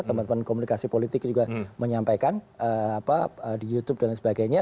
teman teman komunikasi politik juga menyampaikan di youtube dan sebagainya